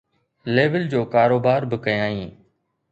level جو ڪاروبار به ڪيائين